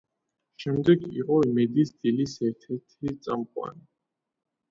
შემდეგ იყო „იმედის დილის“ ერთ-ერთ წამყვანი.